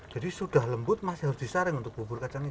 jadi sudah lembut masih harus disaring untuk bubur kacang ijo